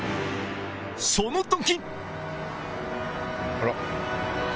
その時！